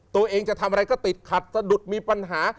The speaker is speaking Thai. ตัวเองจะทำอะไรก็ติดขัดสะดุดมีปัญหา